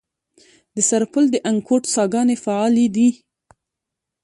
د سرپل د انګوت څاګانې فعالې دي؟